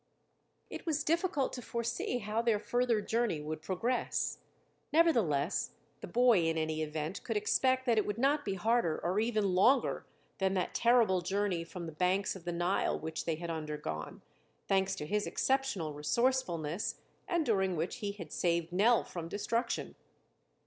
It was difficult to foresee how their further journey would progress; nevertheless, the boy in any event could expect that it would not be harder or even longer than that terrible journey from the banks of the Nile which they had undergone, thanks to his exceptional resourcefulness, and during which he had saved Nell from destruction.